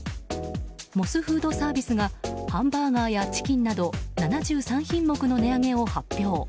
モスフードサービスがハンバーガーやチキンなど７３品目の値上げを発表。